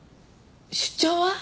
出張は？